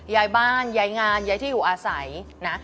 ยายบ้านยายงานยายที่อยู่อาศัยนะ